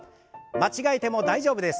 間違えても大丈夫です。